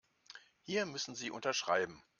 Hier müssen Sie unterschreiben.